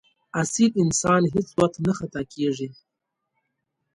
اصیل انسان هېڅ وخت نه خطا کېږي.